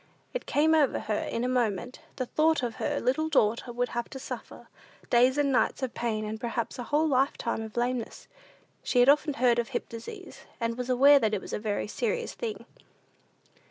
It came over her in a moment, the thought of what her little daughter would have to suffer days and nights of pain, and perhaps a whole lifetime of lameness. She had often heard of hip disease, and was aware that it is a very serious thing.